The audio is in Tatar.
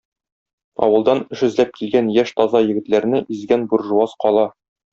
Авылдан эш эзләп килгән яшь таза егетләрне изгән буржуаз кала.